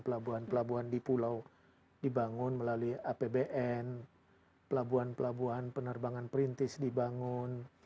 pelabuhan pelabuhan di pulau dibangun melalui apbn pelabuhan pelabuhan penerbangan perintis dibangun